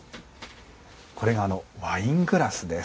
これがワイングラスです。